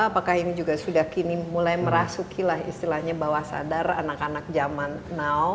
apakah ini juga sudah kini mulai merasuki lah istilahnya bawah sadar anak anak zaman now